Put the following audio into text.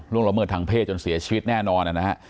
ละเมิดทางเพศจนเสียชีวิตแน่นอนนะฮะ